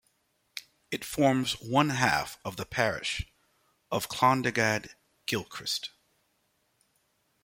It forms one half of the parish of Clondegad-Kilchrist.